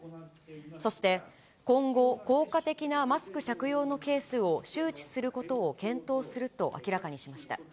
そして、今後、効果的なマスク着用のケースを周知することを検討すると明らかにしました。